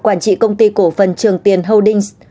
quản trị công ty cổ phần trường tiến holdings